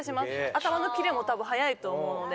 頭のキレも多分速いと思うので。